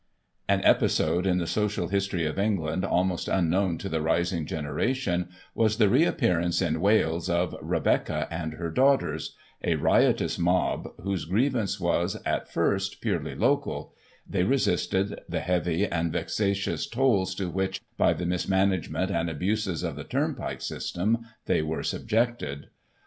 An episode in the Social History of England, almost un known to the rising generation, was the reappearance, in Wales, of " Rebecca and her daughters," a riotous mob, whose grievance was, at first, purely local — they resisted the heavy and vexatious tolls, to which, by the mismanagement and abuses of the turnpike system, they were subjected.